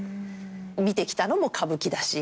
見てきたのも歌舞伎だし。